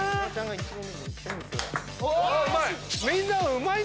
うまい！